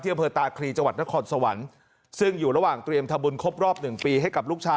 เที่ยวเผลอตากรีจังหวัดนครสวรรค์ซึ่งอยู่ระหว่างเตรียมทะบุญคบรอบ๑ปี